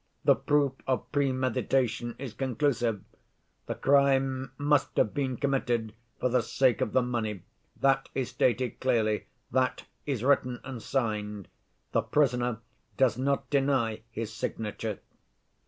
The proof of premeditation is conclusive; the crime must have been committed for the sake of the money, that is stated clearly, that is written and signed. The prisoner does not deny his signature.